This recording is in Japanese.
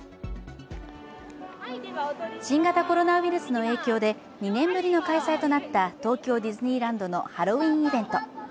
新型コロナウイルスの影響で２年ぶりの開催となった東京ディズニーランドのハロウィーンイベント。